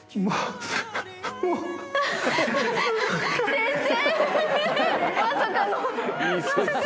先生。